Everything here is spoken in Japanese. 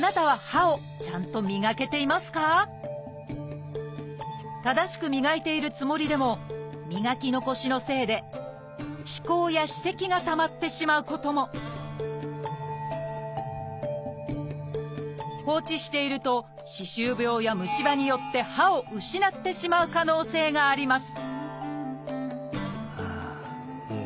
あなたは正しく磨いているつもりでも磨き残しのせいで歯垢や歯石がたまってしまうことも放置していると歯周病や虫歯によって歯を失ってしまう可能性があります